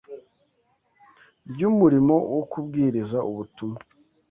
ry’umurimo wo kubwiriza ubutumwa,